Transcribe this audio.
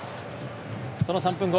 その３分後。